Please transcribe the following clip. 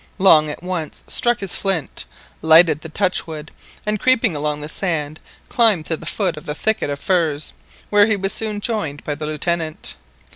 Long at once struck his flint, lighted the touchwood, and creeping along the sand climbed to the foot of the thicket of firs, where he was soon joined by the Lieutenant.